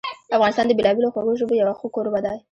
افغانستان د بېلابېلو خوږو ژبو یو ښه کوربه ده.